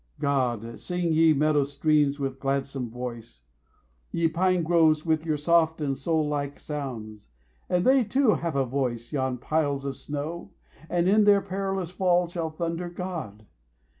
GOD! sing ye meadow streams with gladsome voice! 60 Ye pine groves, with your soft and soul like sounds! And they too have a voice, yon piles of snow, And in their perilous fall shall thunder, GOD!